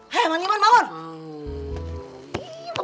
hei mandiman bangun